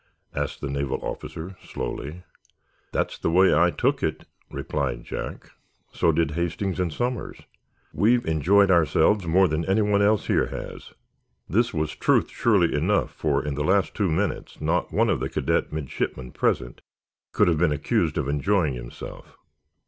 asked the naval officer, slowly. "That's the way I took it," replied Jack. "So did Hastings and Somers. We've enjoyed ourselves more than anyone else here has." This was truth surely enough, for, in the last two minutes, not one of the cadet midshipmen present could have been accused of enjoying himself.